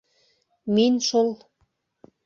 - Мин шул.